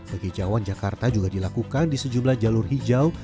penghijauan jakarta juga dilakukan di sejumlah jalur hijau